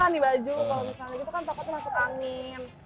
kalau misalnya gitu kan pokoknya masuk angin